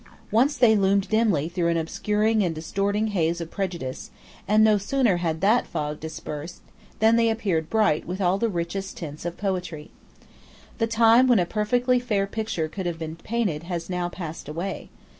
Once they loomed dimly through an obscuring and distorting haze of prejudice; and no sooner had that fog dispersed than they appeared bright with all the richest tints of poetry. The time when a perfectly fair picture could have been painted has now passed away.